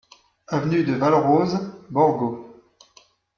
Avenue de Valrose, Borgo